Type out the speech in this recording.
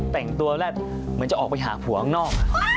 แต่งตัวแล้วเหมือนจะออกไปหาผัวข้างนอก